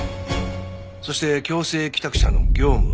そして強制帰宅者の業務は。